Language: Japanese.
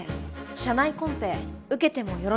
社内コンペ受けてもよろしいでしょうか。